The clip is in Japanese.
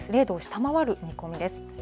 ０度を下回る見込みです。